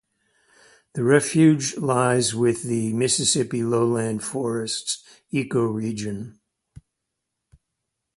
The refuge lies with the Mississippi lowland forests ecoregion.